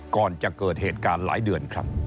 ก่อนจะเกิดเหตุการณ์หลายเดือนครับ